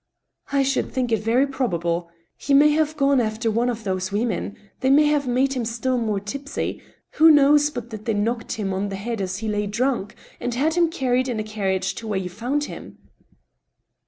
" I should think it very probable. He may have gone after one of those women. They may have made him still more tipsy. Who knows but that they knocked him on the head as he lay drunk, and had him carried in a carriage to where you found him